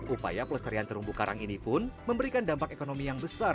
upaya pelestarian terumbu karang ini pun memberikan dampak ekonomi yang besar